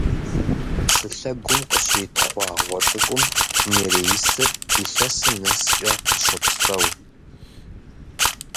Псы лъэгум къыщритхъуа гъуэ цӀыкӀум нереисыр илъэсым нэскӀэ щопсэу.